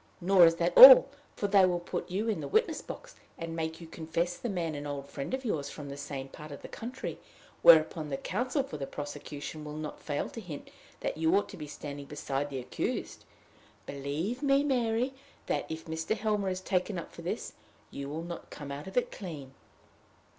Nor is that all; for they will put you in the witness box, and make you confess the man an old friend of yours from the same part of the country; whereupon the counsel for the prosecution will not fail to hint that you ought to be standing beside the accused. Believe me, Mary, that, if Mr. Helmer is taken up for this, you will not come out of it clean."